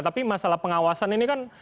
tapi masalah pengawasan ini kan